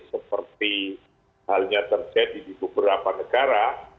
seperti halnya terjadi di beberapa negara